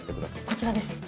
こちらです。